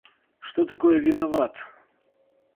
Что такое виноват?